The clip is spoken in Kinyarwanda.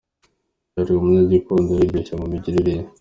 Yari umunyagikundiro, yiyoroshya mu migirire ye.